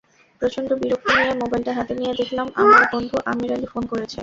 প্রচণ্ড বিরক্তি নিয়ে মোবাইলটা হাতে নিয়ে দেখলাম আমার বন্ধু আমির আলী ফোন করেছে।